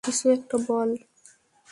কিছু একটা বল।